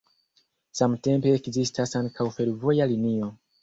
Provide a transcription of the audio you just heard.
Samtempe ekzistas ankaŭ fervoja linio.